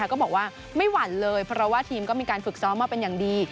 ก็บอกว่าไม่หวั่นเลยเพราะว่าทีมก็มีการฝึกซ้อมมาเป็นอย่างดี